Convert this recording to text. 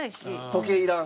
時計いらん？